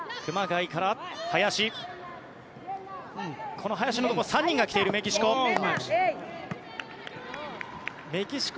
この林のところ３人が来ているメキシコ。